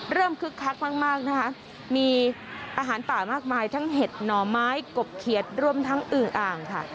เริ่มขึ้นครักมั่งมีอาหารป่ามากมายทั้งเห็นนองม้ายกรบเขียดร่วมทั้งอึ้งอางค่ะ